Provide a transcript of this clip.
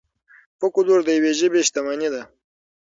فولکلور د یوې ژبې شتمني ده.